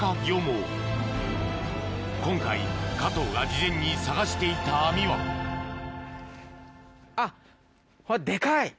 今回加藤が事前に探していた網はあっデカい。